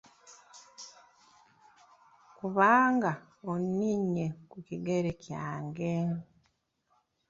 Kubanga oninnye ku kigere kyange!